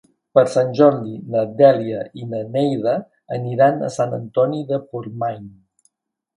Per Sant Jordi na Dèlia i na Neida aniran a Sant Antoni de Portmany.